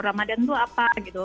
ramadan itu apa gitu